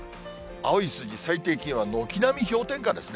青い数字、最低気温は軒並み氷点下ですね。